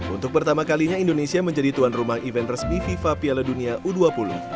untuk pertama kalinya indonesia menjadi tuan rumah event resmi fifa piala dunia u dua puluh